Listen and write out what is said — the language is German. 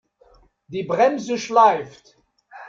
Die Bremse schleift.